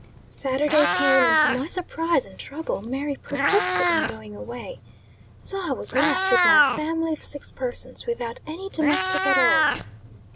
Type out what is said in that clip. Saturday came, and to my surprise and trouble, Mary persisted in going away. So I was left, with my family of six persons, without any domestic at all.